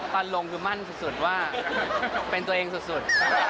ตันลงคือมั่นสุดว่าเป็นตัวเองสุด